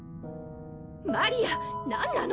マリア何なの？